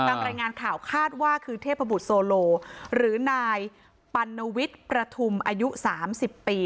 ตามรายงานข่าวคาดว่าคือเทพบุตรโซโลหรือนายปัณวิทย์ประทุมอายุ๓๐ปี